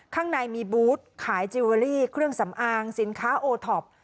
ข้างในมีบูธขายจิลเวอรี่เครื่องสำอางสินค้าโอท็อป